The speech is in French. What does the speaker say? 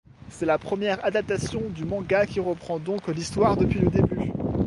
C'est la première adaptation du manga qui reprend donc l'histoire depuis le début.